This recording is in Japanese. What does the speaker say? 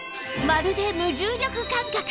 まるで無重力感覚！